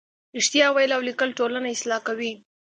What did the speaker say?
رښتیا ویل او لیکل ټولنه اصلاح کوي.